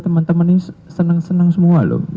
teman teman ini seneng seneng semua loh